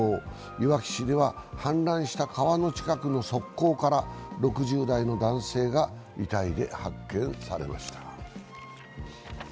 いわき市では、氾濫した川の近くの側溝から６０代の男性が遺体で発見されました。